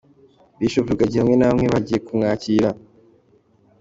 Bishop Rugagi hamwe na bamwe mu bagiye kumwakira.